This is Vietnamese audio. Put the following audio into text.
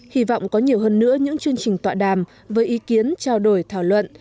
hy vọng có nhiều hơn nữa những chương trình tọa đàm với ý kiến trao đổi thảo luận